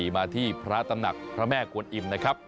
มาที่พระตำหนักพระแม่กวนอิ่มนะครับ